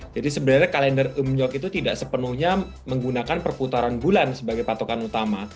jadi sebenarnya kalender umnyok itu tidak sepenuhnya menggunakan perputaran bulan sebagai patokan utama